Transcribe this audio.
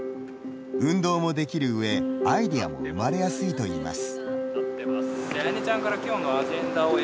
運動もできる上アイデアも生まれやすいといいます。